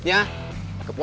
jangan lupa jangan lupa